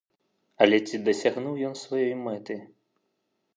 Але ці дасягнуў ён сваёй мэты?